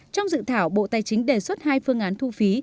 trong dự thảo bộ tài chính đề xuất hai phương án thu phí